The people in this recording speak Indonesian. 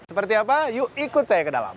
seperti apa yuk ikut saya ke dalam